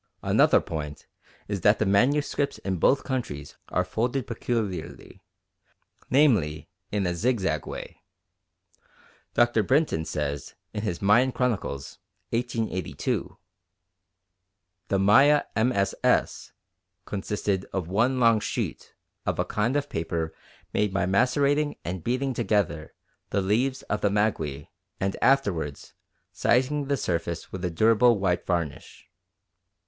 Another point is that the manuscripts in both countries are folded peculiarly, namely in a zigzag way. Dr. Brinton says in his Maya Chronicles (1882), "The Maya MSS. consisted of one long sheet of a kind of paper made by macerating and beating together the leaves of the maguey and afterwards sizing the surface with a durable white varnish.